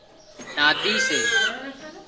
نادي سي